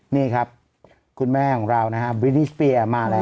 นี่ครับคุณแม่ของเรามี่สเปียร์มาแล้ว